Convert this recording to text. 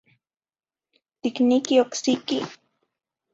Ticniqui ocsiqui